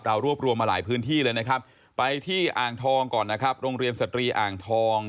รวบรวมมาหลายพื้นที่เลยนะครับไปที่อ่างทองก่อนนะครับโรงเรียนสตรีอ่างทอง